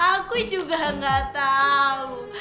aku juga gak tau